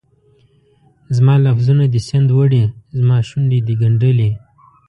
زما لفظونه دي سیند وړي، زماشونډې دي ګنډلي